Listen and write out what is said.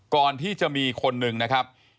ก่อนที่จะมีคนหนึ่งนะครับ